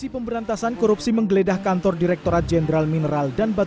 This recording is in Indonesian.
pembeledahan kantor dirjen minerba